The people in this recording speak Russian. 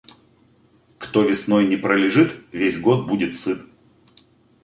Кто весной не пролежит, весь год будет сыт.